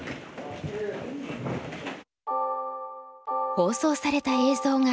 放送された映像がこちら。